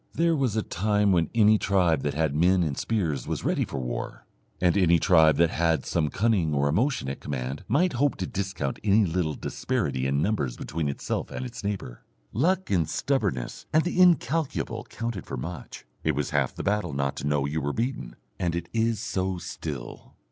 There was a time when any tribe that had men and spears was ready for war, and any tribe that had some cunning or emotion at command might hope to discount any little disparity in numbers between itself and its neighbour. Luck and stubbornness and the incalculable counted for much; it was half the battle not to know you were beaten, and it is so still.